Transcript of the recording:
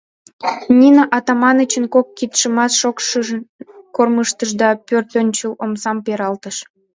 Нина Атаманычын кок кидшымат шокшын кормыжтыш да пӧртӧнчыл омсам пералтыш.